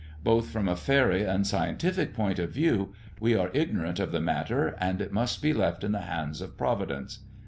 Both from a faery and scientific point of view, we are ignorant of the matter, and it must be left in the hands of Providence.